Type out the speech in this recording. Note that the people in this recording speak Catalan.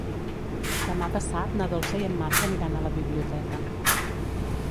Demà passat na Dolça i en Marc aniran a la biblioteca.